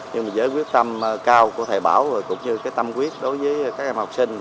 nhưng mà giới quyết tâm cao của thầy bảo và cũng như cái tâm quyết đối với các em học sinh